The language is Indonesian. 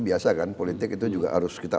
biasa kan politik itu juga harus kita